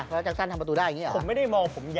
แล้วแจ็คซันทำประตูได้อย่างนี้หรอ